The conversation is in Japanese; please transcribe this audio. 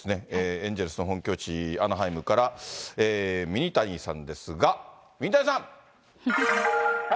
エンゼルスの本拠地、アナハイムからミニタニさんですが、ミニタニさん。